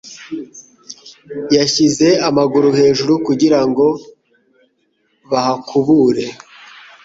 Yashyize amaguru hejuru kugirango bahakubure.